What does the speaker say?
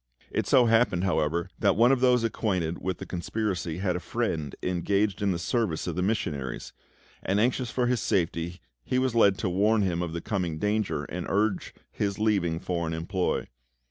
It so happened, however, that one of those acquainted with the conspiracy had a friend engaged in the service of the missionaries; and anxious for his safety, he was led to warn him of the coming danger, and urge his leaving foreign employ.